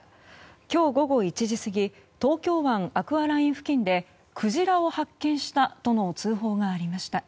今日午後１時過ぎ東京湾アクアライン付近でクジラを発見したとの通報がありました。